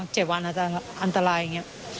๗วันอาจจะอันตรายอย่างนี้